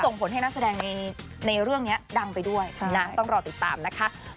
ผลให้นักแสดงในเรื่องนี้ดังไปด้วยนะต้องรอติดตามนะคะ